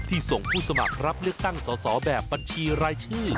ส่งผู้สมัครรับเลือกตั้งสอสอแบบบัญชีรายชื่อ